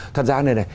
thật ra như thế này